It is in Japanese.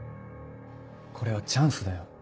これはチャンスだよ。